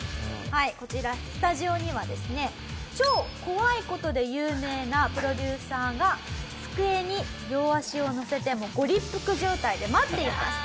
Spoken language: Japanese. こちらスタジオにはですね超怖い事で有名なプロデューサーが机に両足を乗せてもうご立腹状態で待っていました。